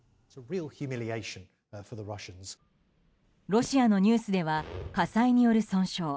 ロシアのニュースでは火災による損傷。